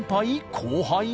後輩？